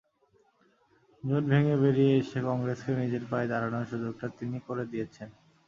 জোট ভেঙে বেরিয়ে এসে কংগ্রেসকে নিজের পায়ে দাঁড়ানোর সুযোগটা তিনি করে দিয়েছেন।